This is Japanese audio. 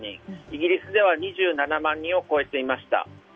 イギリスでは２７万人を超えていました。